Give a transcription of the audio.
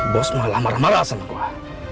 bos malah marah marah sama gua